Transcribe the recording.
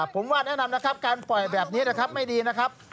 ผมว่าแนะนำนะครับการปล่อยแบบนี้นะครับไม่ดีนะครับ